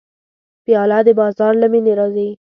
پیاله د بازار له مینې راځي.